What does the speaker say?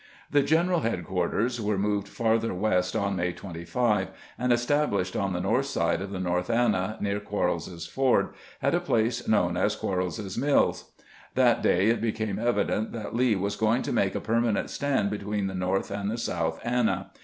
The general headquarters were moved farther west on May 25, and established on the north side of the North Anna, near Quarles's Ford, at a place known as Quarles's Mills. That day it became evident that Lee was going to make a permanent stand between the North and the South Anna.